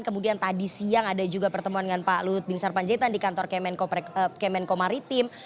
kemudian tadi siang ada juga pertemuan dengan pak lut bin sarpanjaitan di kantor kemenko maritim